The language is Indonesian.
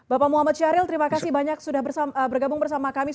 bapak muhammad syahril terima kasih banyak sudah bergabung bersama kami